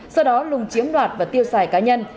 sau đó lùng chiếm đoạt và tiêu xài cá nhân